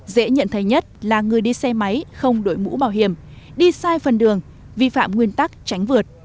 dễ nhận thấy nhất là người đi xe máy không đổi mũ bảo hiểm đi sai phần đường vi phạm nguyên tắc tránh vượt